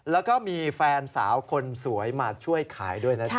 แล้วก็มีแฟนสาวคนสวยมาช่วยขายด้วยนะจ๊